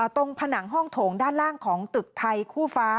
ผนังห้องโถงด้านล่างของตึกไทยคู่ฟ้า